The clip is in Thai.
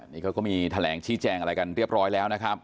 นี่เขาก็มีแถลงชี้แจงอะไรกันเรียบร้อยแล้วนะครับ